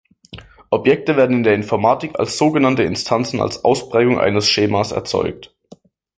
Objekte werden in der Informatik als sogenannte Instanzen, also Ausprägungen eines Schemas, erzeugt.